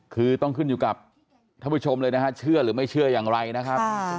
คือต้องขึ้นอยู่กับท่านผู้ชมเลยนะฮะเชื่อหรือไม่เชื่ออย่างไรนะครับ